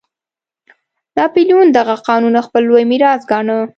ناپلیون دغه قانون خپل لوی میراث ګاڼه.